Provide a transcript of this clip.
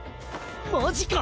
マジか！